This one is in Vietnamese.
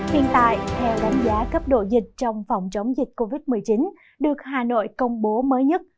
hiện tại theo đánh giá cấp độ dịch trong phòng chống dịch covid một mươi chín được hà nội công bố mới nhất